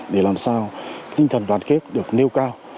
để làm sao tinh thần đoàn kết được nêu cao